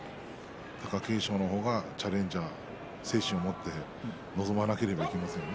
貴景勝の方がチャレンジャー精神を持って臨まなければいけません。